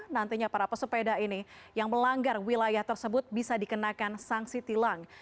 nantinya para pesepeda ini yang melanggar wilayah tersebut bisa dikenakan sanksi tilang